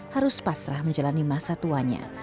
harus pasrah menjalani masa tuanya